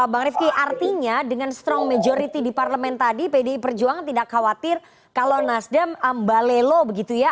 bang rifki artinya dengan strong majority di parlemen tadi pdi perjuangan tidak khawatir kalau nasdem mbalelo begitu ya